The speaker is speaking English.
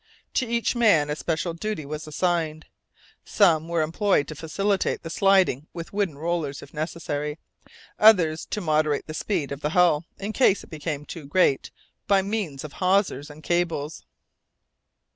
To each man a special duty was assigned; some were employed to facilitate the sliding with wooden rollers, if necessary; others to moderate the speed of the hull, in case it became too great, by means of hawsers and cables.